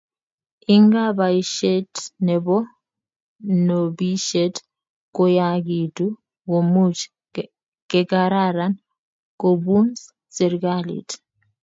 ingaa boishet nebo nobishet koyaagitu komuch kegararan kobuns serikalit